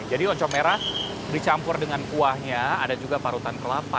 jadi oncom merah dicampur dengan kuahnya ada juga parutan kelapa